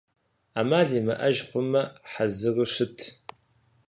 Ӏэмал имыӀэж хъумэ, хьэзыру щыт.